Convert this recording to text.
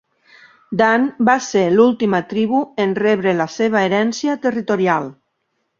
Dan va ser l"última tribu en rebre la seva herència territorial.